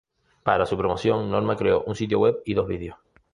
Para su promoción Norma creó un sitio web y dos videos.